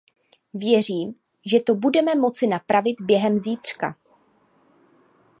Věřím, že to budeme moci napravit během zítřka.